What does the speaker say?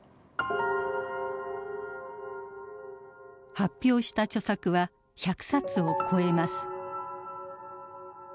発表した著作は１００冊を超えます。